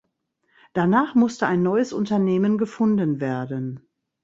Danach musste ein neues Unternehmen gefunden werden.